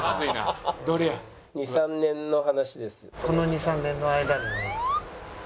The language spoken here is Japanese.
「２３年の話です」。